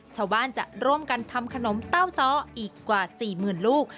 ชาวบ้านจะร่วมกันทำขนมเต้าซ้ออีกกว่า๔๐๐๐ลูก